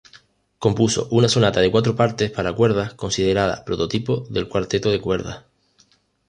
Compuso una sonata en cuatro partes para cuerdas considerada prototipo del cuarteto de cuerdas.